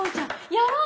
やろう！